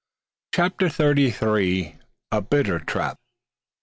CHAPTER THIRTY THREE. A BITTER TRAP.